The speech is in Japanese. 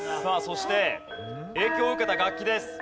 さあそして影響を受けた楽器です。